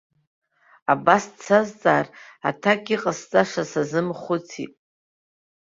Абас дсазҵаар, аҭак иҟасҵаша сазымхәыцит.